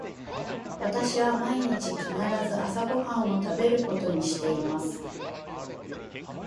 私は毎日必ず朝ご飯を食べることにしています。